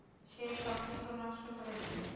সে সবকিছু নষ্ট করে দেবে।